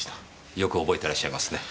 よく覚えてらっしゃいますね。